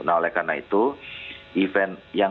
nah oleh karena itu event yang